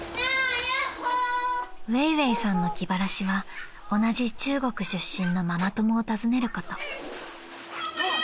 ［薇薇さんの気晴らしは同じ中国出身のママ友を訪ねること］